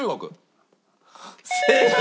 正解！